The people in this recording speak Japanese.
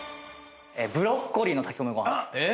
ブロッコリーの炊き込みご飯。